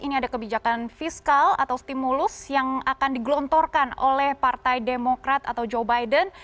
ini ada kebijakan fiskal atau stimulus yang akan digelontorkan oleh partai demokrat atau joe biden